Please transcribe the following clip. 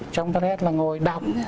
trong toilet là ngồi đọng